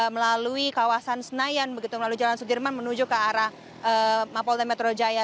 melalui kawasan senayan begitu melalui jalan sudirman menuju ke arah mapolda metro jaya